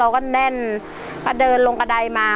ก็แน่นพอเดินลงกระดายมา